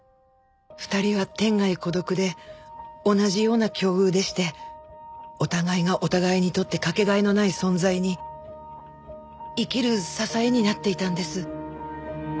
２人は天涯孤独で同じような境遇でしてお互いがお互いにとってかけがえのない存在に生きる支えになっていたんです。